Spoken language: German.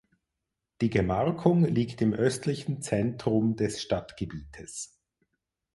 Die Gemarkung liegt im östlichen Zentrum des Stadtgebietes.